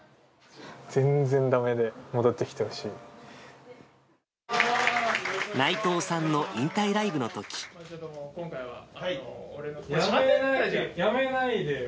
全然だめで、戻ってきてほし内藤さんの引退ライブのとき。辞めないでよ。